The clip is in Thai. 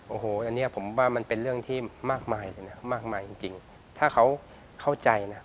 โอ้โหอันนี้ผมว่ามันเป็นเรื่องที่มากมายเลยนะมากมายจริงจริงถ้าเขาเข้าใจนะ